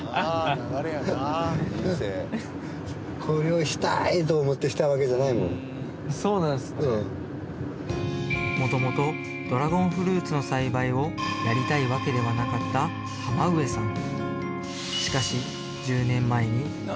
これをもともとドラゴンフルーツの栽培をやりたいわけではなかった浜上さん